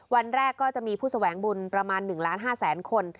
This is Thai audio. วันแรกก็จะมีผู้แสวงบุญประมาณ๑ล้าน๕แสนคน